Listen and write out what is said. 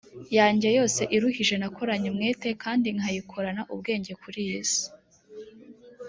yanjye yose iruhije nakoranye umwete kandi nkayikorana ubwenge kuri iyi si